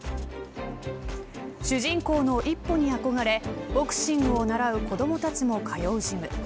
主人公の一歩に憧れボクシングを習う子どもたちも通うジム。